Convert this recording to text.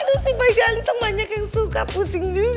aduh si boy ganteng banyak yang suka pusing juga ya